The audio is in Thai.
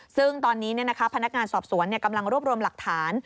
ซึ่งตอนนี้พนักงานสอบสวนกำลังรวบรวมหลักฐาน